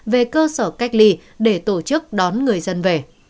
về cơ sở cách ly để tổ chức đón người dân về